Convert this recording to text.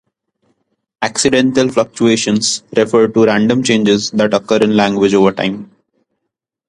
Accidental fluctuations refer to random changes that occur in language over time.